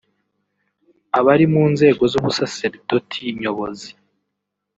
Abari mu nzego z’ubusaserdoti nyobozi